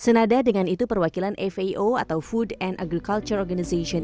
senada dengan itu perwakilan fao atau food and agriculture organization